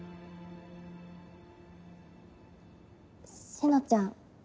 志乃ちゃん